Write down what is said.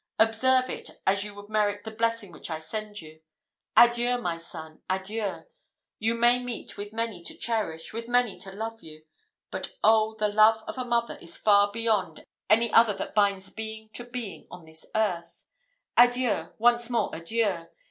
Observe it, as you would merit the blessing which I send you. Adieu, my son, adieu! You may meet with many to cherish, with many to love you but, oh! the love of a mother is far above any other that binds being to being on this earth. Adieu! once more adieu!